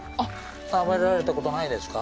食べられたことないですか？